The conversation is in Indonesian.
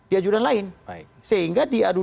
di ajudan lain sehingga diadu